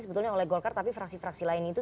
sebetulnya oleh golkar tapi fraksi fraksi lain itu